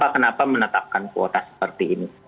kenapa menetapkan kuota seperti ini